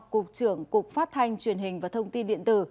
cục trưởng cục phát thanh truyền hình và thông tin điện tử